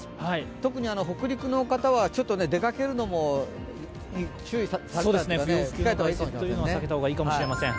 特に北陸の方は出かけるのも控えた方がいいかもしれませんね。